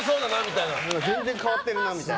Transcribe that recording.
全然変わってるなみたいな。